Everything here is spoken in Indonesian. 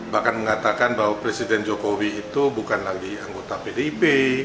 bahkan mengatakan bahwa presiden jokowi itu bukan lagi anggota pdip